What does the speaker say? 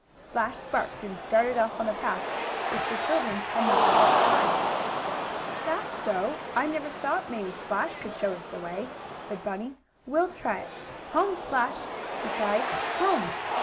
Splash barked, and started off on a path which the children had not yet tried. "That's so. I never thought maybe Splash could show us the way," said Bunny. "We'll try it! Home, Splash!" he cried. "Home!"